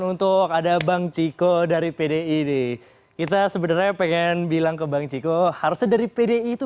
untuk ada bang ciko dari pdi kita sebenarnya pengen bilang ke bang ciko harusnya dari pdi itu